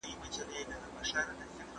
که احترام ونه وي، اړیکه به ټینګه نسي.